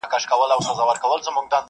چي ډېر کسان یې -